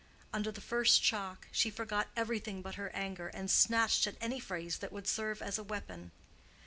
Under the first shock she forgot everything but her anger, and snatched at any phrase that would serve as a weapon.